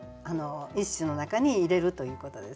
一首の中に入れるということです。